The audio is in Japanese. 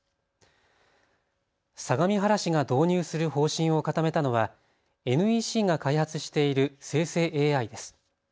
相模原市が導入する方針を固めたのはＮＥＣが開発している生成ＡＩです。